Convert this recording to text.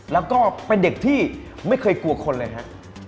แล้วก็เป็นเด็กที่ไม่เคยกลัวคนเลยฮะ